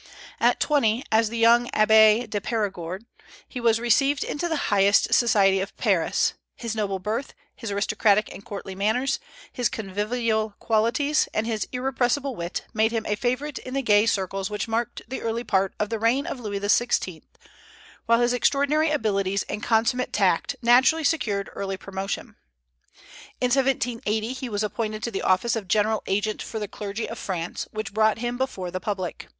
At twenty, as the young Abbé de Périgord, he was received into the highest society of Paris; his noble birth, his aristocratic and courtly manners, his convivial qualities, and his irrepressible wit made him a favorite in the gay circles which marked the early part of the reign of Louis XVI., while his extraordinary abilities and consummate tact naturally secured early promotion. In 1780 he was appointed to the office of general agent for the clergy of France, which brought him before the public.